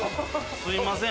すいません。